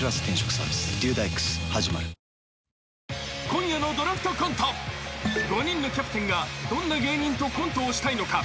［今夜の『ドラフトコント』５人のキャプテンがどんな芸人とコントをしたいのか？］